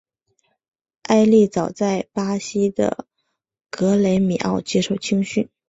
埃利早年在巴西的格雷米奥接受青训。